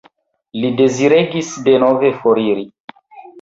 Li deziregis denove foriri.